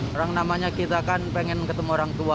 orang namanya kita kan pengen ketemu orang tua